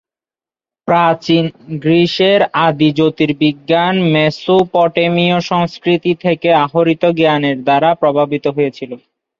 প্রাচীন গ্রিসের আদি জ্যোতির্বিজ্ঞান মেসোপটেমীয় সংস্কৃতি থেকে আহরিত জ্ঞানের দ্বারা প্রভাবিত হয়েছিল।